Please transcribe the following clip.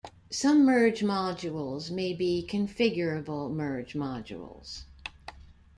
Some merge modules may be configurable merge modules.